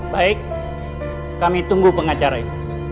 baik kami tunggu pengacara itu